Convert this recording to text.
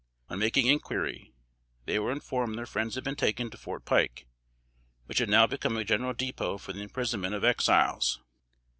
On making inquiry, they were informed their friends had been taken to Fort Pike, which had now become a general depot for the imprisonment of Exiles.